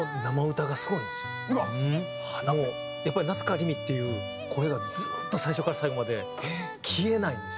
もうやっぱり夏川りみっていう声がずっと最初から最後まで消えないんですよ。